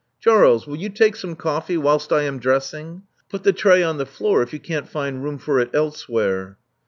*' Charles: will you take some coffee whilst I am dressing. Put the tray on the floor if you can't find room for it elsewhere."